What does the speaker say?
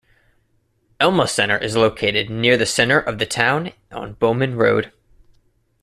Elma Center is located near the center of the town on Bowen Road.